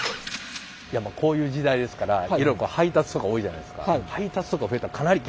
こういう時代ですからえらい配達とか多いじゃないですか。